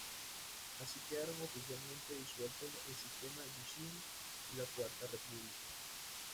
Así, quedaron oficialmente disueltos el sistema Yushin y la Cuarta República.